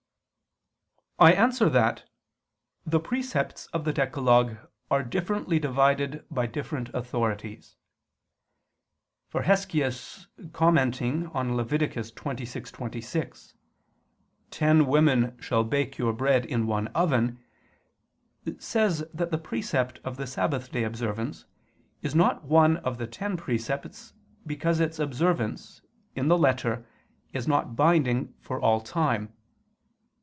I answer that, The precepts of the decalogue are differently divided by different authorities. For Hesychius commenting on Lev. 26:26, "Ten women shall bake your bread in one oven," says that the precept of the Sabbath day observance is not one of the ten precepts, because its observance, in the letter, is not binding for all time.